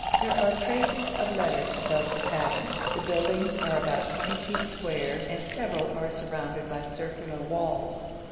There are traces of letters above the pattern. The buildings are about 20 feet square and several are surrounded by circular walls.